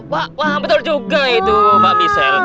pak paham betul juga itu pak misel